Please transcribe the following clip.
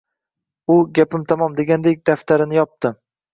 U, gapim tamom, degandek daftarini yopdi